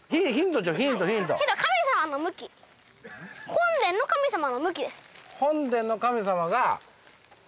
本殿の神様の向きです。